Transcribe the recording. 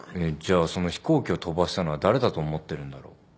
えっじゃあその飛行機を飛ばしたのは誰だと思ってるんだろう？